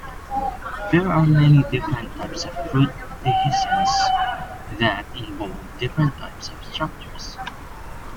There are many different types of fruit dehiscence, that involve different types of structures.